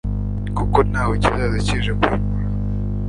kuko ntawe kizaza kije kwimura